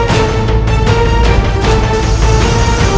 kita akan melakukan corakki ingin miguk